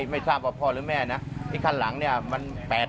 ไม่ทราบพ่อหรือแม่นะอีกคันหลังมัน๘๑